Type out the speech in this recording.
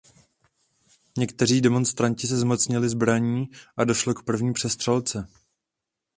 Někteří demonstranti se zmocnili zbraní a došlo k první přestřelce.